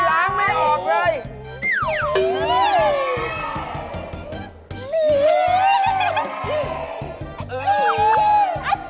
อย่ากลัวอย่ากลัวอย่าทั่ว